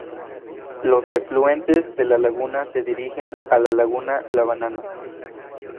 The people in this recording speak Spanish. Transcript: Los efluentes de la laguna se dirigen a la laguna La Banana.